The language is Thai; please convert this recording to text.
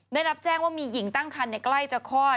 ได้รับแจ้งว่ามีหญิงตั้งคันใกล้จะคลอด